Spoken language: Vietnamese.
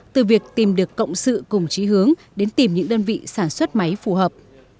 từ việc tìm được cộng sự cùng trí hướng đến tìm những đơn vị sản xuất máy phù hợp